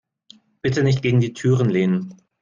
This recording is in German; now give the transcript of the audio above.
Bitte nicht gegen die Türen lehnen.